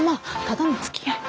ただのつきあい。